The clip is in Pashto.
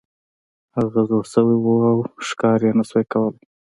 هغه زوړ شوی و او ښکار یې نشو کولی.